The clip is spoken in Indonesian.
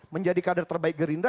menjadi kader terbaik gerindra